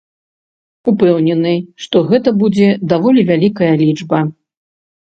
Упэўнены, што гэта будзе даволі вялікая лічба.